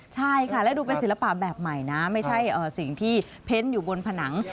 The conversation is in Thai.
ใช่ค่ะแล้วดูเป็นศิลปะแบบใหม่นะไม่ใช่สิ่งที่เพ้นอยู่บนผนัง